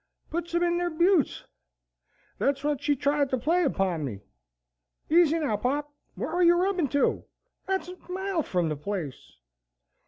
Puts 'em in their butes! Thet's what she tried to play upon me. Easy now, pop, whar are you rubbin' to, thet's a mile from the place.